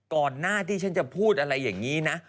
ก่อนหน้าที่ฉันจะพูดอะไรอย่างนี้นะ